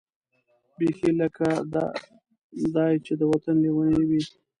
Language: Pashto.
بېخي لکه دای چې د وطن لېونۍ وي.